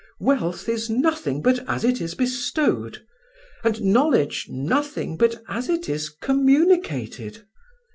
Wealth is nothing but as it is bestowed, and knowledge nothing but as it is communicated.